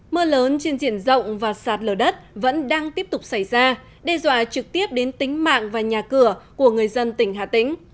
mưa lớn trên diện rộng và sạt lở đất vẫn đang tiếp tục xảy ra đe dọa trực tiếp đến tính mạng và nhà cửa của người dân tỉnh hà tĩnh